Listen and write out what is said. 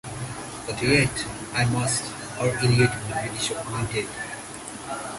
But yet — I must, or Elliot will be disappointed.